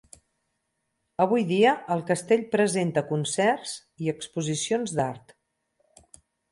Avui dia el castell presenta concerts i exposicions d'art.